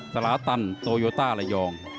สาราตันโตโยต้าระยอง